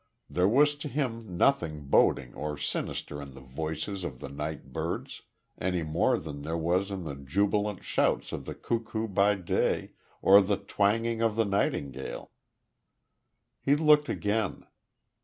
There was to him nothing boding or sinister in the voices of the night birds, any more than there was in the jubilant shout of the cuckoo by day, or the twanging of the nightingale. He looked again.